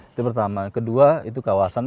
itu pertama kedua itu kawasan